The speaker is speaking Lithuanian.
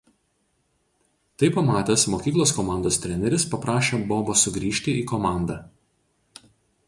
Tai pamatęs mokyklos komandos treneris paprašė Bobo sugrįžti į komandą.